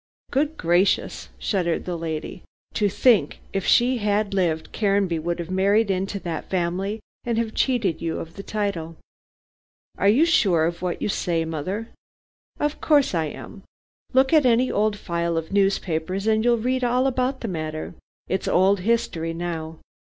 "Good gracious!" shuddered the lady, "to think if she had lived, Caranby would have married into that family and have cheated you of the title." "Are you sure of what you say, mother?" "Of course I am. Look up any old file of newspapers and you'll read all about the matter. It's old history now.